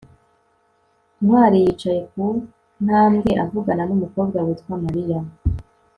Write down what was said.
ntwali yicaye ku ntambwe avugana n'umukobwa witwa mariya